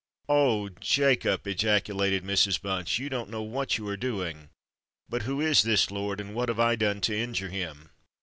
"Oh! Jacob," ejaculated Mrs. Bunce, "you don't know what you are doing! But who is this lord—and what have I done to injure him?"